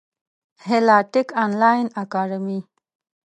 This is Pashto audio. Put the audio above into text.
هیله ټېک انلاین اکاډمي